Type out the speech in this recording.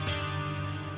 ada di laporan saya